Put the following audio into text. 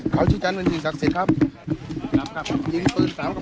ข้าวชื่อจันทร์เป็นจริงศักดิ์สิทธิ์ครับ